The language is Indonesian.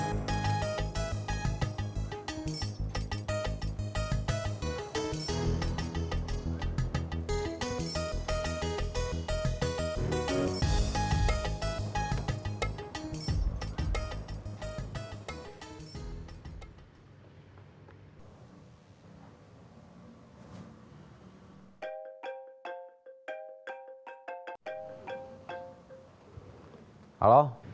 menghentikan para beliwak